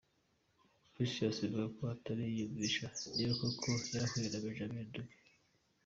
Precious avuga ko atari yiyumvisha niba koko yarahuye na Benjamin Dube.